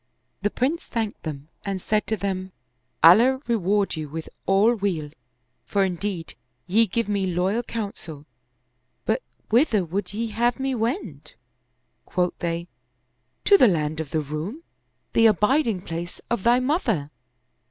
The Prince thanked them and said to them, " Allah reward you with all weal, for indeed ye give me loyal counsel; but whither would ye have me wend?" Quoth they, " To the land of the Roum, the abiding place of thy mother."